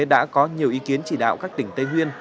đã có nhiều ý kiến chỉ đạo các tỉnh tây nguyên